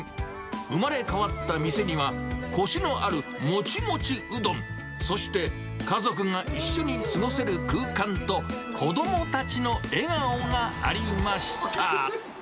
生まれ変わった店には、こしのあるもちもちうどん、そして家族が一緒に過ごせる空間と、子どもたちの笑顔がありました。